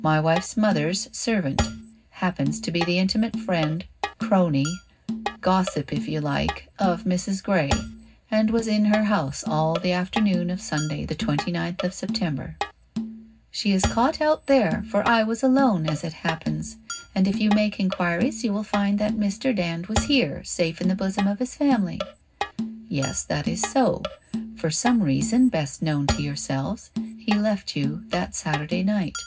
My wife's mother's servant happens to be the intimate friend — crony, gossip if you like, of Mrs. Gray, and was in her house all the afternoon of Sunday, the 29th of September/ 1 She is caught out there, for I was alone, as it happens. And if you make enquiries, you will find that Mr. Dand was here, safe in the bosom of his family/ ' Yes, that is so. For some reason best known to your selves he left you that Saturday night.